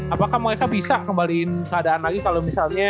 apakah mereka bisa kembaliin keadaan lagi kalo misalnya